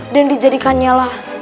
dan dijadikannya lah